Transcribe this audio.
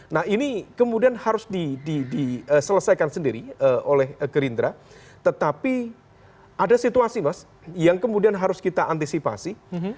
nah ini kemudian harus diselesaikan sendiri oleh gerindra tetapi ada situasi mas yang kemudian harus kita antisipasi